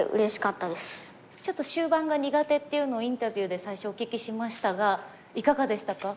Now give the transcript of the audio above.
ちょっと終盤が苦手っていうのをインタビューで最初お聞きしましたがいかがでしたか？